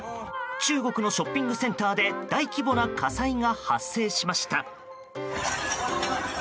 中国のショッピングセンターで大規模な火災が発生しました。